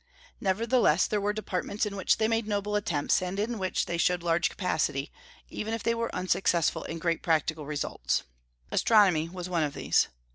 Nevertheless, there were departments in which they made noble attempts, and in which they showed large capacity, even if they were unsuccessful in great practical results. Astronomy was one of these.